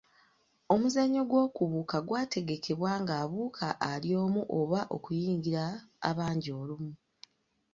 Omuzannyo gw'okubuuka gwategekebwa ng’abuuka ali omu oba okuyingira abangi olumu.